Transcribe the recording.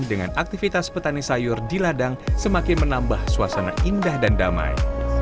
dengan aktivitas petani sayur di ladang semakin menambah suasana indah dan damai